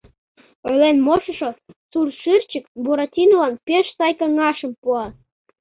Ойлен моштышо Суртшырчык Буратинолан пеш сай каҥашым пуа